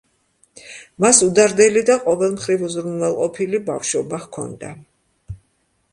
მას უდარდელი და ყოველმხრივ უზრუნველყოფილი ბავშვობა ჰქონდა.